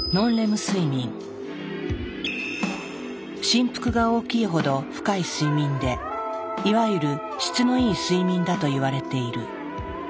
振幅が大きいほど深い睡眠でいわゆる質のいい睡眠だといわれている。